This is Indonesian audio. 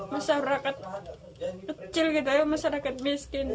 masyarakat kecil gitu ya masyarakat miskin